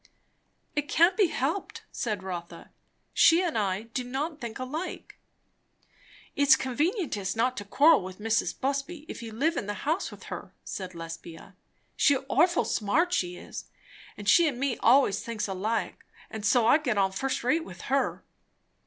"It can't be helped," said Rotha. "She and I do not think alike." "It's convenientest not to quarrel with Mrs. Busby if you live in the house with her," said Lesbia. "She's orful smart, she is. But she and me allays thinks just alike, and so I get on first rate with her."